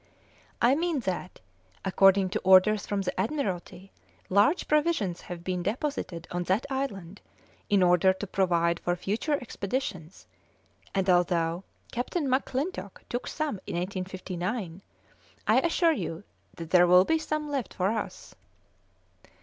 "I mean that, according to orders from the Admiralty, large provisions have been deposited on that island in order to provide for future expeditions, and although Captain McClintock took some in 1859, I assure you that there will be some left for us."